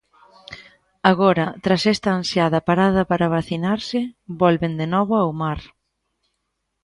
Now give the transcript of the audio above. Agora, tras esta ansiada parada para vacinarse, volven de novo ao mar.